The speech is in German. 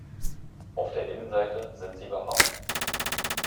Auf der Innenseite sind sie behaart.